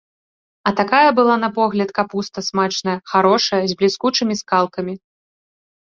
А такая была на погляд капуста смачная, харошая, з бліскучымі скалкамі.